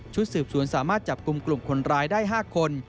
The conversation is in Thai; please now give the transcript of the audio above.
สืบสวนสามารถจับกลุ่มกลุ่มคนร้ายได้๕คน